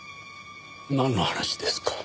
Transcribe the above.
なんの話ですか？